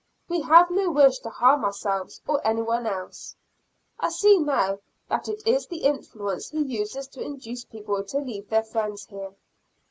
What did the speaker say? We have no wish to harm ourselves or any one else. I see now that is the influence he uses to induce people to leave their friends here.